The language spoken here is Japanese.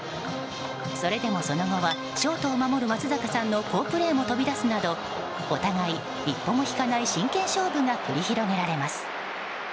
それでもその後はショートを守る松坂さんの好プレーも飛び出すなどお互い、一歩も引かない真剣勝負が繰り広げられます。